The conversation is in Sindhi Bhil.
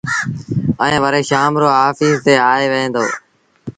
ائيٚݩ وري شآم رو آڦيٚس تي آئي وهي دو۔